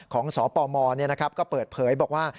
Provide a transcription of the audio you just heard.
ของสปมนะครับก็เปิดเผยบอกว่า